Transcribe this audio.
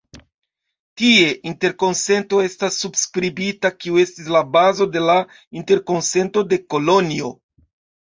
Tie interkonsento estas subskribita, kiu estis la bazo de la Interkonsento de Kolonjo.